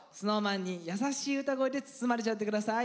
ＳｎｏｗＭａｎに優しい歌声で包まれちゃって下さい。